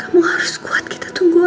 kau harus kuat kita tunggu aja